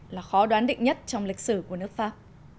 là khó đoán định nhất trong lịch sử của nước pháp